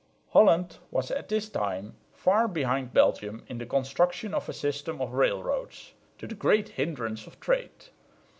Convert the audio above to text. Holland was at this time far behind Belgium in the construction of a system of railroads, to the great hindrance of trade.